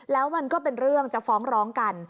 แล้วมันก็เป็นเรื่องจะฟ้องร้องกัน